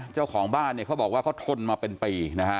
เจ้าของบ้านเขาบอกว่าเขาทนมาเป็นปี